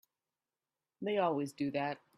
They always do that.